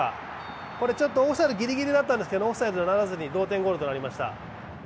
これオフサイドぎりぎりだったんですけどオフサイドにならず同点ゴールとなりました。